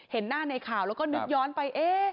เห็นหน้าในข่าวแล้วก็นึกย้อนไป